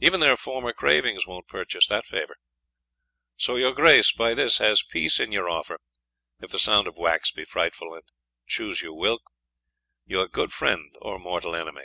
Even their former cravings wont purchase that favour; so your Grace by this has peace in your offer, if the sound of wax be frightful, and chuse you whilk, your good friend or mortal enemy."